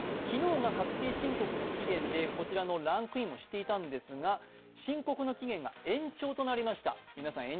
昨日が確定申告の期限でこちらのランクインもしていたんですが申告の期限が延長となりました。